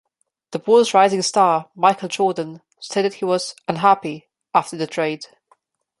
The Bulls' rising star Michael Jordan stated he was "unhappy" after the trade.